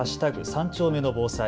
３丁目の防災。